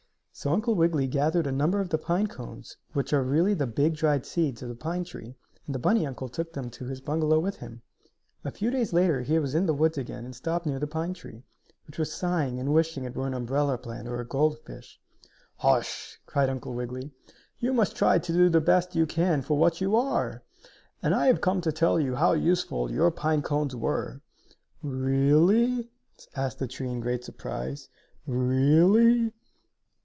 So Uncle Wiggily gathered a number of the pine cones, which are really the big, dried seeds of the pine tree, and the bunny uncle took them to his bungalow with him. A few days later he was in the woods again and stopped near the pine tree, which was sighing and wishing it were an umbrella plant or a gold fish. "Hush!" cried Uncle Wiggily. "You must try to do the best you can for what you are! And I have come to tell you how useful your pine cones were." "Really?" asked the tree, in great surprise. "Really?"